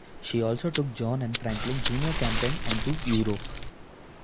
She also took John and Franklin Junior camping and to Europe.